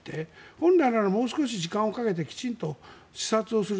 本来ならもう少し時間をかけてきちんと視察する。